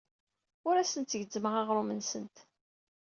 Ur asent-gezzmeɣ aɣrum-nsent.